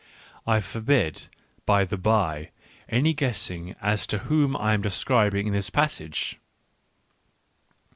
I forbid, by the bye, any guessing as to whom J am describing in this passage.